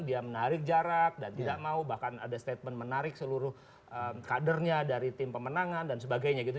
dia menarik jarak dan tidak mau bahkan ada statement menarik seluruh kadernya dari tim pemenangan dan sebagainya gitu